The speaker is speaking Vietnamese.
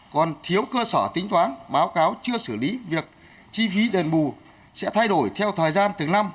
còn thiếu cơ sở tính toán báo cáo chưa xử lý việc chi phí đền bù sẽ thay đổi theo thời gian từng năm